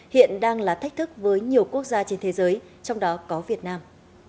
hiện đang là thách thức với nhiều quốc gia trên thế giới trong đó có việt nam